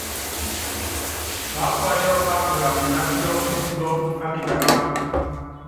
Paápayɔ́ á kula pilaá piɔ́p pi putɔ́mb á kitaŋá.